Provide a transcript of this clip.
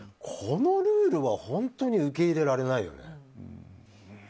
このルールは本当に受け入れられないよね。